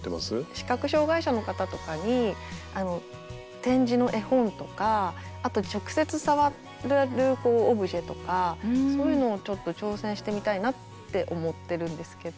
視覚障害者の方とかに点字の絵本とかあと直接触れるオブジェとかそういうのをちょっと挑戦してみたいなって思ってるんですけど。